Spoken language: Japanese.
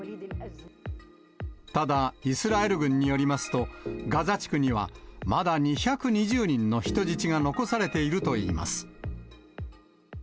ただ、イスラエル軍によりますと、ガザ地区にはまだ２２０人の人質が残されているといいます。